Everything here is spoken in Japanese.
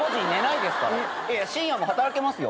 いや深夜も働けますよ。